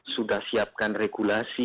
sudah siapkan regulasi